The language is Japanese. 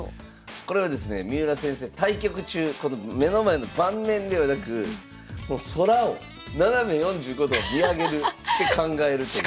これはですね三浦先生対局中この目の前の盤面ではなく空を斜め４５度を見上げるて考えるという。